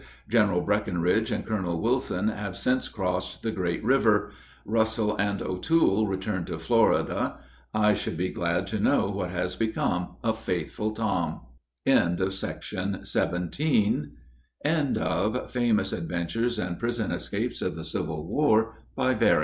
General Breckinridge and Colonel Wilson have since crossed the great river; Russell and O'Toole returned to Florida. I should be glad to know what has become of faithful Tom. End of the Project Gutenberg EBook of Famous Adventures And Prison Escapes of the Civil War, by Various END